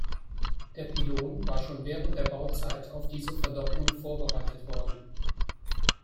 Der Pylon war schon während der Bauzeit auf diese Verdopplung vorbereitet worden.